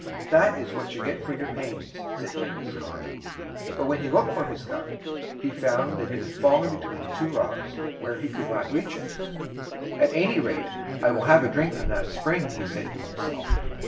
"That is what you get for your pains," said Genghis Khan. But when he looked for his cup, he found that it had fallen between two rocks, where he could not reach it. "At any rate, I will have a drink from that spring," he said to himself.